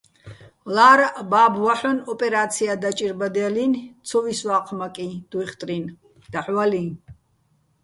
ლა́რაჸ ბა́ბო̆ ვაჰ̦ონ ოპერა́ცია დაჭირბადჲალინი̆, ცო ვისვა́ჴმაკიჼ დუჲხტრინ, დაჰ̦ ვალიჼ.